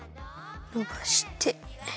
のばして。